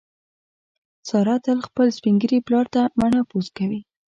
ساره تل خپل سپین ږیري پلار ته مڼه پوست کوي.